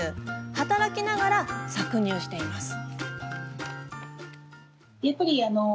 働きながら搾乳しています。